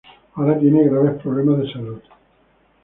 Ahora tiene graves problemas de salud.